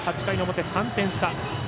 ８回の表、３点差。